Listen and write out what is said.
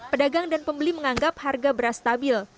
pedagang dan pembeli menganggap harga beras stabil